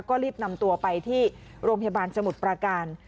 ก็รีบนำตัวไปที่โรงพยาบาลสมุทรประการ